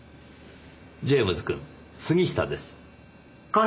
ジェームズくん杉下です。